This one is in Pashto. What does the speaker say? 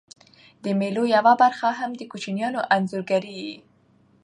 د مېلو یوه برخه هم د کوچنيانو انځورګرۍ يي.